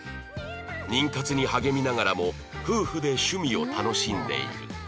妊活に励みながらも夫婦で趣味を楽しんでいる